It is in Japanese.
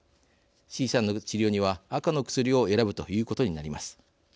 Ｃさんの治療には赤の薬を選ぶということになります。